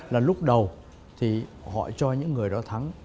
là lúc đầu thì họ cho những người đó thắng